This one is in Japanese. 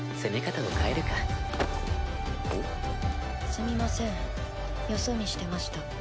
すみませんよそ見してました。